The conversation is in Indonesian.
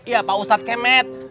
iya pak ustadz kemet